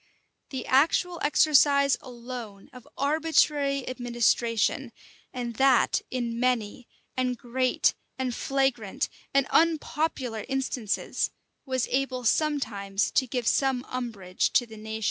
The actual exercise alone of arbitrary administration, and that in many, and great, and flagrant, and unpopular instances, was able sometimes to give some umbrage to the nation.